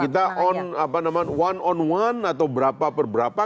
kita one on one atau berapa per berapa